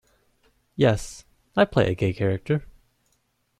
Yes, I play a gay character.